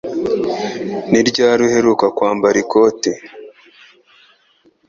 Ni ryari uheruka kwambara ikote?